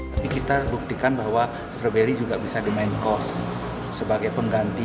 tapi kita buktikan bahwa stroberi juga bisa di main cost sebagai pengganti